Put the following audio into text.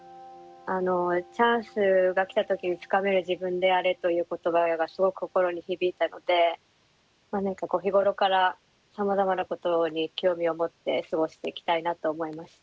「チャンスが来たときにつかめる自分であれ」という言葉がすごく心に響いたので日頃からさまざまなことに興味を持って過ごしていきたいなと思いました。